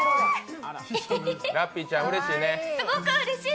ラッピーちゃん、うれしいね。